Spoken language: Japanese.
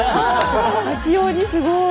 八王子すごい。